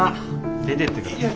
出てってください。